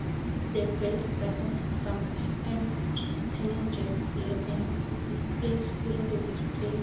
The beard darkens, sometimes turning jet black and inflates during the display.